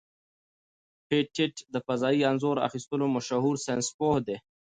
پېټټ د فضايي انځور اخیستلو مشهور ساینسپوه دی.